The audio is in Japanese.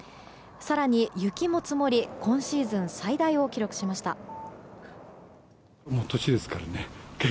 更に雪も積もり今シーズン最大を記録しました。